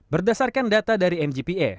berdasarkan data dari mgpa